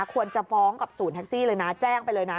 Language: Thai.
ควรจะฟ้องกับศูนย์แท็กซี่เลยนะแจ้งไปเลยนะ